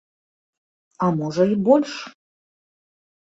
А можа, і больш.